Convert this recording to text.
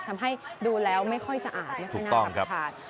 ทำให้ดูแล้วไม่ค่อยสะอาดไม่ค่อยน่ารำคาญ